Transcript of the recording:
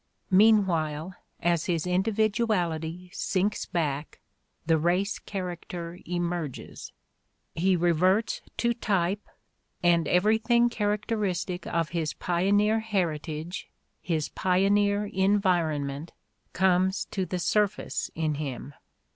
Meanwhile, as his individuality sinks back, the race character emerges; he reverts to type, and everything characteristic of his pioneer heritage, his pioneer en vironment, comes to the surface in him.